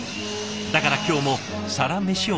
だから今日もサラメシを作ります。